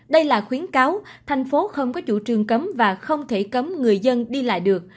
đây là khuyến cáo thành phố không có chủ trương cấm và không thể cấm người dân đi lại được